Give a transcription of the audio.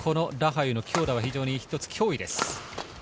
ラハユの強打は非常に一つ脅威です。